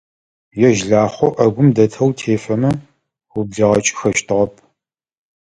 Ежь Лахъу Ӏэгум дэтэу утефэмэ, ублигъэкӀыхэщтыгъэп.